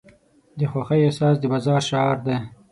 د خوښۍ احساس د بازار شعار دی.